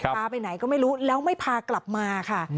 พาไปไหนก็ไม่รู้แล้วไม่พากลับมาค่ะ